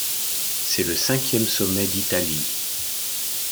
C'est le cinquième sommet d'Italie.